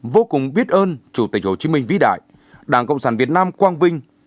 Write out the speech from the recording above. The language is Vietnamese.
hùng viết ơn chủ tịch hồ chí minh vĩ đại đảng cộng sản việt nam quang vinh